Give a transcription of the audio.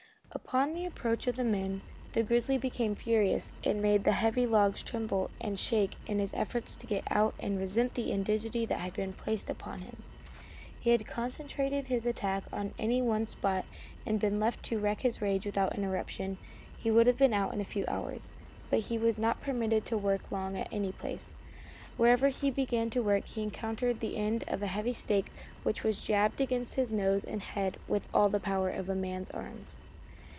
Upon the approach of the men, the grizzly became furious and made the heavy logs tremble and shake in his efforts to get out and resent the indignity that had been placed upon him. Had he concentrated his attack on any one spot and been left to wreak his rage without interruption he would have been out in a few hours, but he was not permitted to work long at any place. Wherever he began work he encountered the end of a heavy stake which was jabbed against his nose and head with all the power of a man's arms.